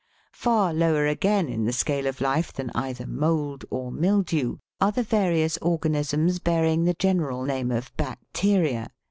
Far lower again in the scale of life than either " mould " or mildew, are the various organisms bearing the general name of " bacteria " (Fig.